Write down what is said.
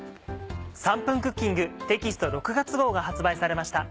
『３分クッキング』テキスト６月号が発売されました。